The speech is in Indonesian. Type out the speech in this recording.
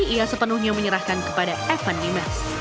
ia sepenuhnya menyerahkan kepada evan dimas